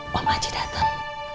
pak aji datang